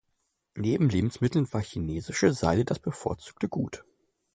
Neben Lebensmitteln war chinesische Seide das bevorzugte Gut.